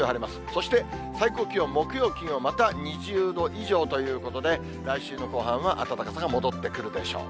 そして最高気温、木曜、金曜、また２０度以上ということで、来週の後半は暖かさが戻ってくるでしょう。